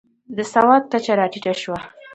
د سواد کچه راټیټه شوه.